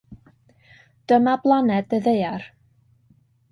Dyma blaned y Ddaear.